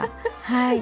はい。